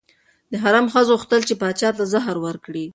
د حرم ښځو غوښتل چې پاچا ته زهر ورکړي.